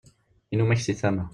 inumak si tama